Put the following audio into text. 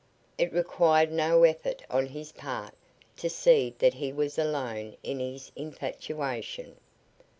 It required no effort on his part to see that he was alone in his infatuation.